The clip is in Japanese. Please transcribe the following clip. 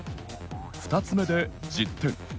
２つ目で１０点。